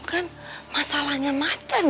hai seharusnya utangnya macam itu